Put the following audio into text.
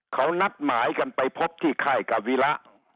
เขานัดหมายกันไปพบที่ค่ายกาวิระ